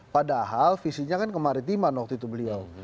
padahal visinya kan kemaritiman waktu itu beliau